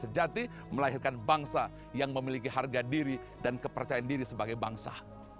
sejati melahirkan bangsa yang memiliki harga diri dan kepercayaan diri sebagai bangsa